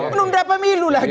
belum dapat milu lagi